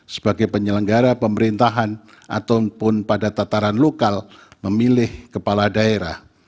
sebagai penyelenggara pemerintahan ataupun pada tataran lokal memilih kepala daerah